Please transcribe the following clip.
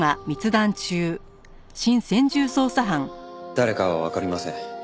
誰かはわかりません。